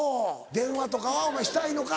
電話とかはお前したいのか？